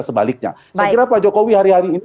sebaliknya saya kira pak jokowi hari hari ini